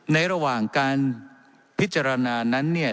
ระหว่างการพิจารณานั้นเนี่ย